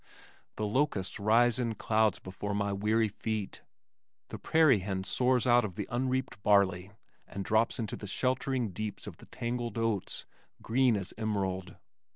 The locusts rise in clouds before my weary feet. The prairie hen soars out of the unreaped barley and drops into the sheltering deeps of the tangled oats, green as emerald.